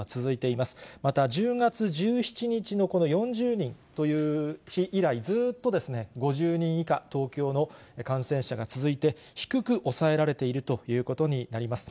また、１０月１７日のこの４０人という日以来、ずっと５０人以下、東京の感染者が続いて、低く抑えられているということになります。